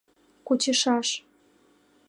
Кучышаш!..